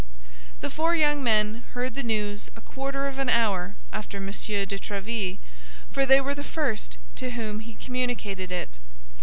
The four young men heard the news a quarter of an hour after M. de Tréville, for they were the first to whom he communicated it.